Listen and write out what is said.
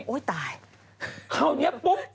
โอ้ตายเพราะนี้ปุ๊บ